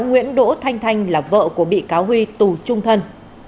nguyễn đỗ thanh thanh là vợ của bị cáo huy tù trung thân